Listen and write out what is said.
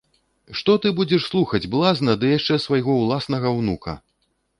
Што ты будзеш слухаць блазна ды яшчэ свайго ўласнага ўнука!